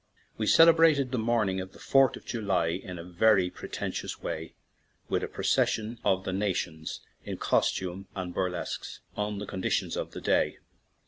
We celebrated the morning of the Fourth of July in a very pretentious way with a procession of the nations in costume and burlesques on the conditions of the day.